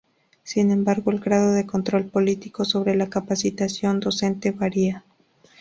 Sin embargo, el grado de control político sobre la Capacitación Docente varía.